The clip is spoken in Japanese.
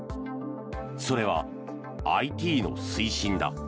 それはＩＴの推進だ。